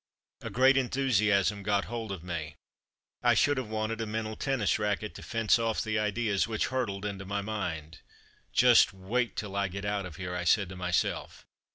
A great enthusiasm got hold of me. I should have wanted a mental tennis racquet to fence off the ideas which hurtled into my mind. "Just wait till I get out of here,'' I said to myself.